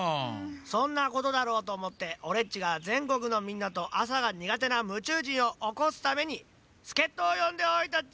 そんなことだろうとおもってオレっちがぜんこくのみんなとあさがにがてなむちゅう人をおこすためにすけっとをよんでおいたっち。